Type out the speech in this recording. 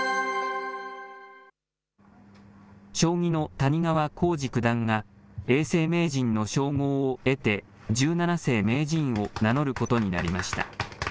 将棋の谷川浩司九段が、永世名人の称号を得て、十七世名人を名乗ることになりました。